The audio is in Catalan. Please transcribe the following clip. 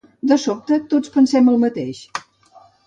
De sobte, tots pensem el mateix.